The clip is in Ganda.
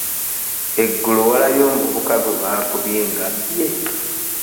Eggulo walabye omuvubuka gwe baakubye nga abbye?